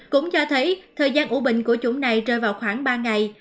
cũng cho thấy thời gian ủ bệnh của chủng này rơi vào khoảng ba ngày